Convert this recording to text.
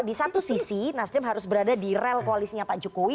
di satu sisi nasdem harus berada di rel koalisnya pak jokowi